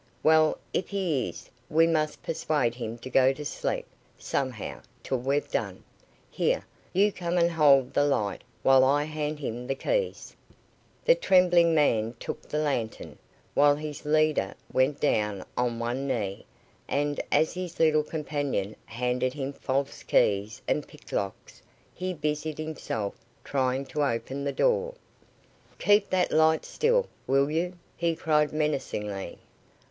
"Well, if he is, we must persuade him to go to sleep, somehow, till we've done. Here, you come and hold the light while I hand him the keys." The trembling man took the lantern, while his leader went down on one knee; and as his little companion handed him false keys and picklocks, he busied himself trying to open the door. "Keep that light still, will you?" he cried menacingly.